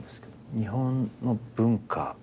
日本の文化。